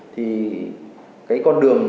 thì cái con đường